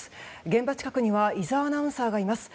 現場近くには井澤アナウンサーがいます。